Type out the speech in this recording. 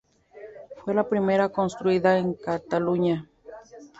Fue la primera construida en Cataluña.